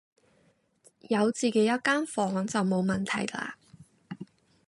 有自己一間房就冇問題啦